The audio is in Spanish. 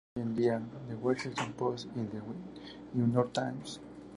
Hoy en día, The Washington Post y The New York Times.